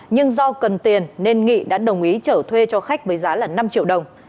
nhưng do cần tiền nên nghị đã đồng ý trở thuê cho khách với giá là năm triệu đồng